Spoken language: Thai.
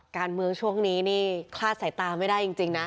การเมืองช่วงนี้นี่คลาดสายตาไม่ได้จริงนะ